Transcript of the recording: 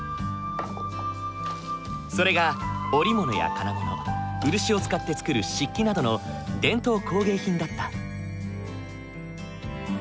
それが織物や金物漆を使って作る漆器などの伝統工芸品だった。